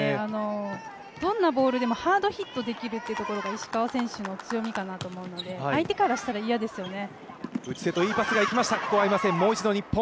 どんなボールでもハードヒットできるのが石川選手の強みかなと思うので相手からしたら嫌ですよね。